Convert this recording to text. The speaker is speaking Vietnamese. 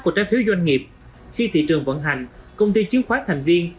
của trái phiếu doanh nghiệp khi thị trường vận hành công ty chứng khoán thành viên